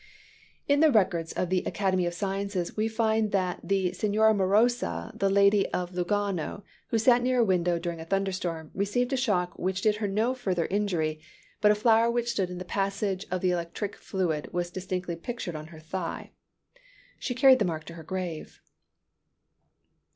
In the records of the Academy of Sciences, we find that "the Signora Morosa, a lady of Lugano, who sat near a window during a thunder storm, received a shock which did her no further injury; but a flower which stood in the passage of the electric fluid was distinctly pictured on her thigh." She carried the mark to her grave.